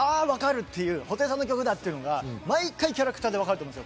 分かる！っていう、布袋さんの曲だっていうのが毎回キャラクターで分かる。